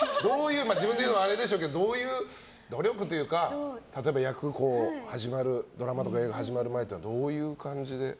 自分で言うのもあれでしょうけど、どういう努力というか例えばドラマとか映画が始まる前っていうのはどういう感じで？